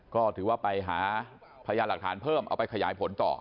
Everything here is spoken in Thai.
ก็ถือว่าไปหาพยานหลักฐานเพิ่มเอาไปขยายผลต่อ